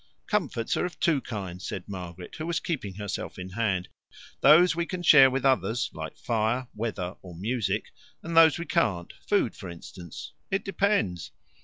"Comforts are of two kinds," said Margaret, who was keeping herself in hand "those we can share with others, like fire, weather, or music; and those we can't food, for instance. It depends."